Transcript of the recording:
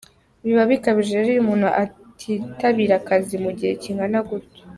Biba bikabije rero iyo umuntu atitabira akazi mu gihe kingana gutyo.